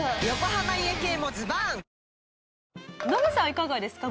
いかがですか？